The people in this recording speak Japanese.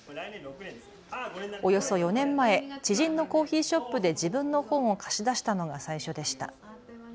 およそ４年前、知人のコーヒーショップで自分の本を貸し出したのが最初でした。